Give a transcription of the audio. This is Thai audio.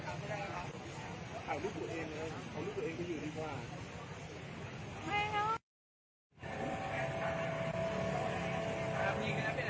อันดับอันดับอันดับอันดับอันดับ